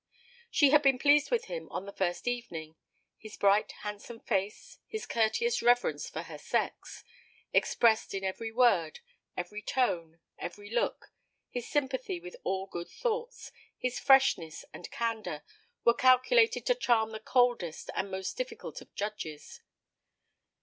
She had been pleased with him on the first evening; his bright handsome face, his courteous reverence for her sex expressed in every word, every tone, every look his sympathy with all good thoughts, his freshness and candour, were calculated to charm the coldest and most difficult of judges.